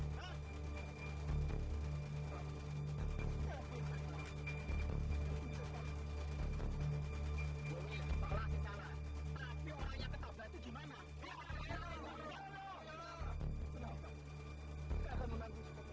kamu untuk mencari wang yang salah seperti itu